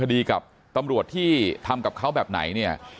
คดีกับที่ทำกับเขาแบบไหนเนี้ย